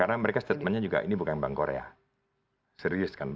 karena mereka statementnya juga ini bukan bank korea serius kan